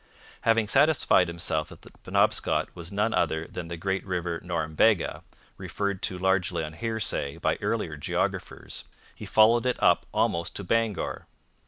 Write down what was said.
Having satisfied himself that the Penobscot was none other than the great river Norumbega, referred to largely on hearsay by earlier geographers, he followed it up almost to Bangor.